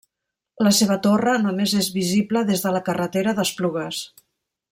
La seva torre només és visible des de la carretera d'Esplugues.